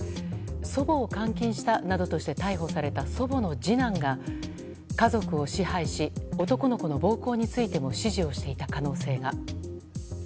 祖母を監禁したなどとして逮捕された祖母の次男が家族を支配し男の子の暴行についても指示をしていた可能性が。